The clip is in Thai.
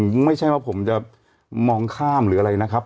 ไม่ใช่ว่าผมจะมองข้ามหรืออะไรนะครับ